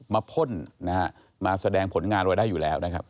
พ่นนะฮะมาแสดงผลงานไว้ได้อยู่แล้วนะครับ